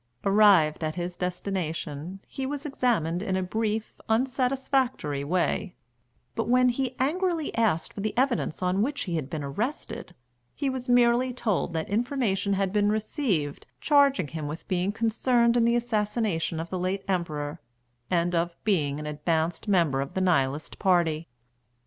Arrived at his destination, he was examined in a brief, unsatisfactory way; but when he angrily asked for the evidence on which he had been arrested, he was merely told that information had been received charging him with being concerned in the assassination of the late Emperor, and of being an advanced member of the Nihilist party.